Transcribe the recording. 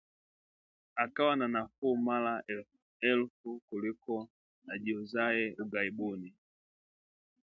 akawa na nafuu mara elfu kuliko ajiuzaye ughaibuni